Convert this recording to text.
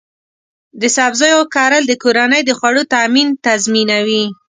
د سبزیو کرل د کورنۍ د خوړو تامین تضمینوي.